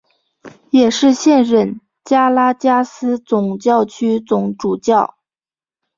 也是现任加拉加斯总教区总主教。